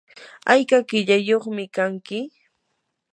¿ayka qillayyuqmi kanki?